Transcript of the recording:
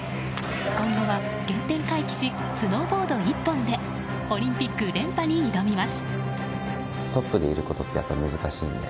今後は原点回帰しスノーボード一本でオリンピック連覇に挑みます。